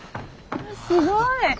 すごい！